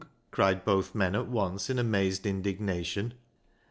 cried both men at once, in amazed indignation.